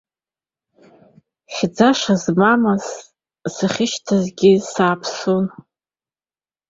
Хьӡашьа змамыз сахьашьҭаз сааԥсон.